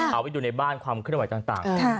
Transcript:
เอาไปดูในบ้านความเคลื่อนไหวต่าง